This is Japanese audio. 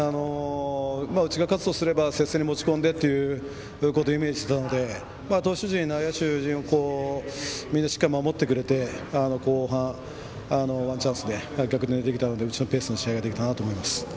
うちが勝つとすれば接戦に持ち込んでということをイメージしてたので投手陣、内野陣両方みんなしっかり守ってくれて後半ワンチャンスで、逆転できたのでうちのペースで試合できたなと思います。